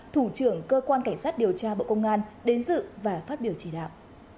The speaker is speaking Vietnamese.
thủ trưởng cơ quan cảnh sát điều tra bộ công an đến dự và phát biểu chỉ đạo